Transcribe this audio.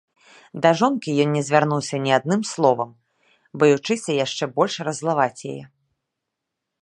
Да жонкі ён не звярнуўся ні адным словам, баючыся яшчэ больш раззлаваць яе.